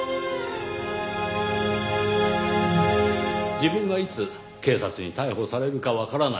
自分がいつ警察に逮捕されるかわからない。